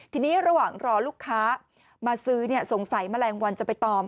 ทีนี้ระหว่างรอลูกค้ามาซื้อสงสัยแมลงวันจะไปตอม